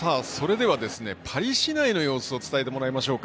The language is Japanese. では、パリ市内の様子を伝えてもらいましょう。